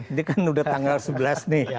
ini kan udah tanggal sebelas nih